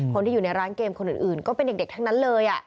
คนที่อยู่ในร้านเกมคนอื่นก็เป็นเด็กทั้งนั้นเลย